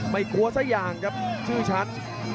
ไม่กลัวสักอย่างครับชื่อฉัน